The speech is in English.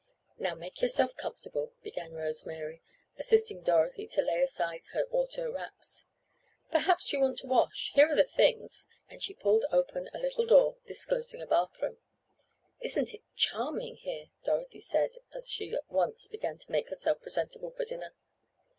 "Now make yourself comfortable," began Rose Mary, assisting Dorothy to lay aside her auto wraps. "Perhaps you want to wash. Here are the things," and she pulled open a little door, disclosing a bathroom. "Isn't it charming here," Dorothy said as she at once began to make herself presentable for dinner.